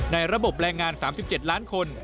ระบบแรงงาน๓๗ล้านคน